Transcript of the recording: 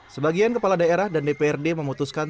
sebagian kepala daerah dan dprd memutuskan